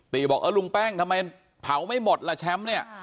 บอกเออลุงแป้งทำไมเผาไม่หมดล่ะแชมป์เนี่ย